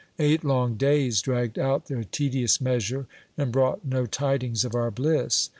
Eight long days dragged out their tedious measure, and brought no tidings of our bliss.